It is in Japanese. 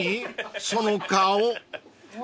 その顔］